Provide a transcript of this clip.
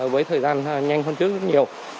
với thời gian nhanh hơn trước rất nhiều